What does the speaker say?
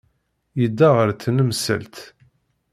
Yedda ɣer tnemselt.